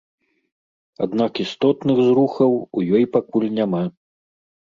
Аднак істотных зрухаў у ёй пакуль няма.